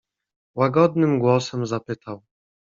"Łagodnym głosem zapytał."